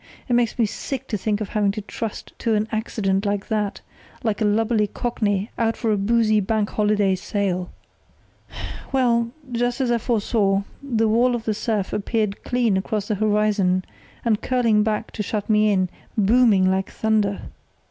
It makes me sick to think of having to trust to an accident like that, like a lubberly cockney out for a boozy Bank Holiday sail. Well, just as I foresaw, the wall of surf appeared clean across the horizon, and curling back to shut me in, booming like thunder.